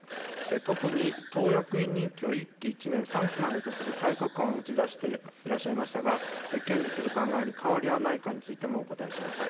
特に党役員任期は、１期１年３期までとする改革案を打ち出していらっしゃいましたが、堅持する考えに変わりはないかについてもお答えください。